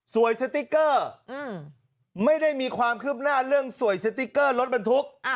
สติ๊กเกอร์ไม่ได้มีความคืบหน้าเรื่องสวยสติ๊กเกอร์รถบรรทุก